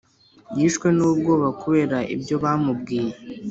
yishwe n'ubwoba kubera ibyo bamubwiye